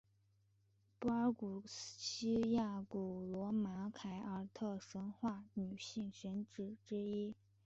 柏尔古希亚古罗马凯尔特神话女性神只之一。